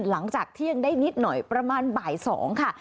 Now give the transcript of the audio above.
หลังจากเที่ยงได้นิดหน่อยประมาณบ่าย๒ค่ะ